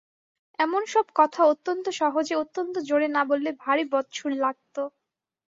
এমন-সব কথা অত্যন্ত সহজে অত্যন্ত জোরে না বললে ভারি বদসুর লাগত।